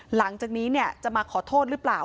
หลังจากนี้จะมาขอโทษหรือเปล่า